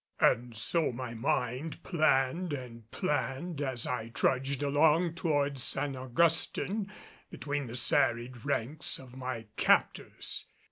And so my mind planned and planned, as I trudged along toward San Augustin between the serried ranks of my captors.